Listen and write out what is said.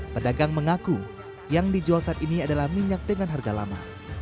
pedagang mengaku yang dijual saat ini adalah minyak dengan harga lama